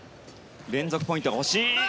連続ポイントが欲しい。